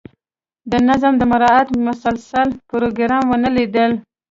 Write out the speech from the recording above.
د نظم د مراعات مسلسل پروګرام ونه لیدل.